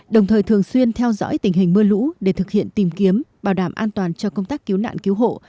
đồng thời thường xuyên theo dõi tình hình mưa lũ để thực hiện tìm kiếm bảo đảm an toàn cho công tác cứu nạn cứu hộ